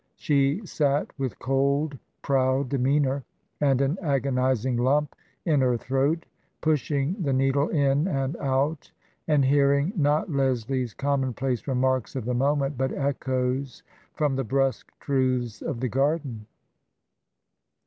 She sat with cold, proud demeanour and an agonizing lump in her throat, pushing the needle in and out and hearing, not Leslie's commonplace remarks of the moment, but echoes from the brusque truths of the garden.